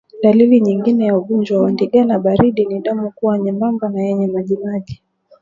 Dalili nyingine ya ugonjwa wa ndigana baridi ni damu kuwa nyembamba na yenye majimaji